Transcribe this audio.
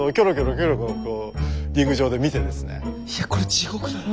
え⁉いやこれ地獄だな。